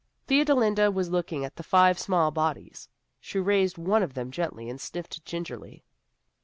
Theodolinda was looking at the five small bodies. She raised one of them gently, and sniffed gingerly.